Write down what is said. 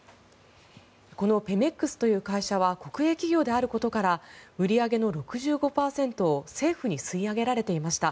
このペメックスという会社は国営企業であることから売り上げの６５％を政府に吸い上げられていました。